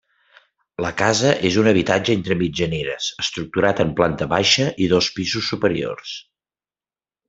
La casa és un habitatge entre mitjaneres estructurat en planta baixa i dos pisos superiors.